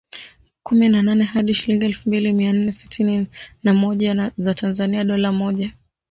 kumi na nne hadi shilingi elfu mbili mia nne sitini na moja za Tanzania dola moja